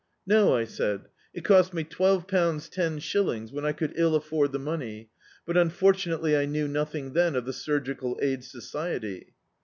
"No," I said, "it cost me twelve pounds, ten shillings, when I could ill afford the money, but, unfortunately, I knew nothing then of the Su^cal Aid Society."